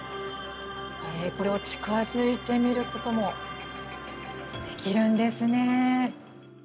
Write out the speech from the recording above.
これを近づいてみることもできるんですね。